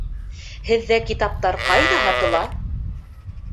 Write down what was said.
Һеҙҙә китаптар ҡайҙа һатыла?